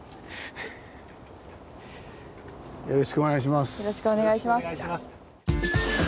よろしくお願いします。